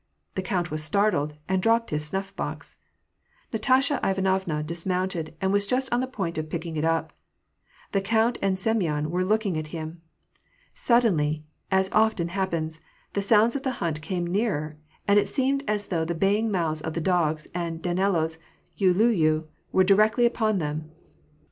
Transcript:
The count was startled, and dropped his snuff box. Nastasya Ivanovna dismounted, and was just on the point of picking it up. The count and Sem yon were looking at him. Suddenly, as often happens, the sounds of the hunt came nearer, and it seemed as though the baying mouths of the dogs and Danilo's uliuliu were directly upon them.